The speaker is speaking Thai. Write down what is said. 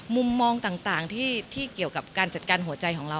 มุมมองต่างที่เกี่ยวกับการจัดการหัวใจของเรา